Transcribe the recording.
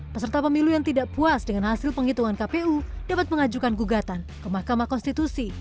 peserta pemilu yang tidak puas dengan hasil penghitungan kpu dapat mengajukan gugatan ke mahkamah konstitusi